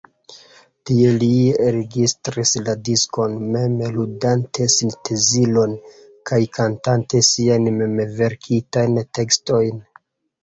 Tie li registris la diskon, mem ludante sintezilon kaj kantante siajn memverkitajn tekstojn.